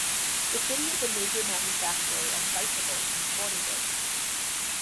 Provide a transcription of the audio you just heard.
The city is a major manufacturer of bicycles and sporting goods.